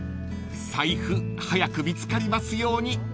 ［財布早く見つかりますように］